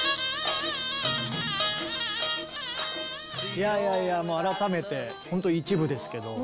いやいやいやもう改めてほんと一部ですけど。